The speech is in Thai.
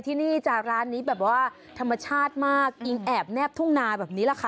ที่นี่จากร้านนี้แบบว่าธรรมชาติมากอิงแอบแนบทุ่งนาแบบนี้แหละค่ะ